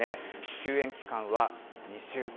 休園期間は２週間。